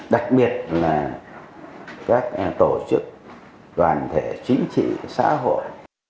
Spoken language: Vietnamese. đặc biệt là các tổ chức đoàn thể chính trị xã hội